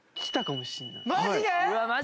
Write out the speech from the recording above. マジで！？